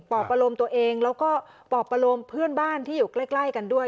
อบประโลมตัวเองแล้วก็ปอบประโลมเพื่อนบ้านที่อยู่ใกล้กันด้วย